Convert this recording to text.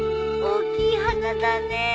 大きい花だね。